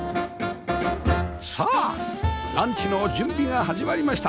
さあランチの準備が始まりました